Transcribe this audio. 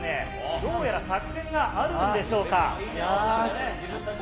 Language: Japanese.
どうやら作戦があるんでしょうか。